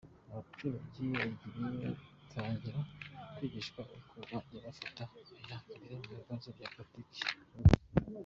Abaturage bagiye gutangira kwigishwa uko bajya bafata iya mbere mu bibazo bya politiki bibugariza.